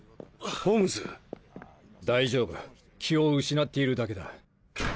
大丈夫気を失っているだけだ。